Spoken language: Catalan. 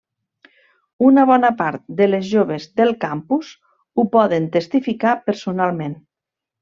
Una bona part de les joves del campus ho poden testificar personalment.